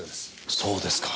そうですか。